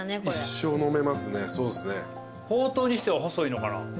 ほうとうにしては細いのかな？